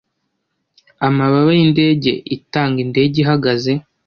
amababa yindege itanga indege ihagaze